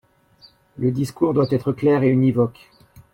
Le discours doit être clair et univoque.